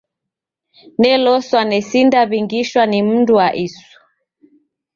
Neloswa nesindaw'ingishwa ni mndu wa isu.